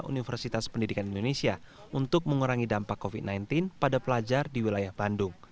universitas pendidikan indonesia untuk mengurangi dampak covid sembilan belas pada pelajar di wilayah bandung